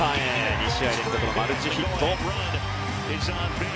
２試合連続のマルチヒット。